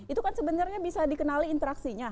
itu kan sebenarnya bisa dikenali interaksinya